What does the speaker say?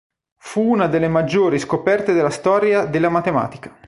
Fu una delle maggiori scoperte della storia della matematica.